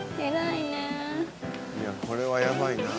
「いやこれはやばいな」